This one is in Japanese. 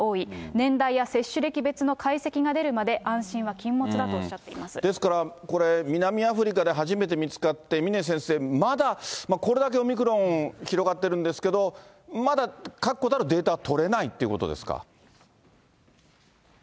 年代や接種歴別の解析が出るまで安心は禁物だとおっしゃっていまですから、これ、南アフリカで初めて見つかって、峰先生、まだこれだけオミクロン、広がってるんですけど、まだ確固たるデータは取れないっていうことですか？